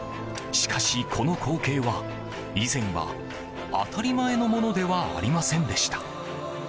しかし、この光景は以前は当たり前のものではありませんでした。